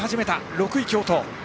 ６位、京都。